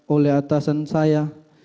oleh atasan saya